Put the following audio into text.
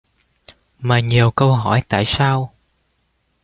mà nhiều câu hỏi tại sao